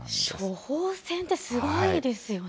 処方箋ってすごいですよね。